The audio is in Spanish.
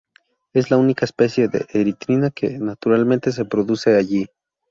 Es la única especie de "Erythrina" que naturalmente se produce allí.